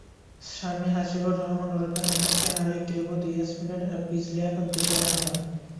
স্বামী হাসিবুর রহমান ওরফে হাসিবকে হারিয়ে গৃহবধূ ইয়াসমিন বিজলী এখন দিশেহারা।